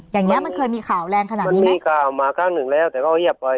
อย่างนี้มันเคยมีข่าวแรงขนาดนี้มันมีข่าวมาครั้งหนึ่งแล้วแต่ก็เงียบไป